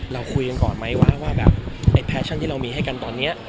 เราคุยกันก่อนไหมว่าแบบไอ้แฟชั่นที่เรามีให้กันตอนนี้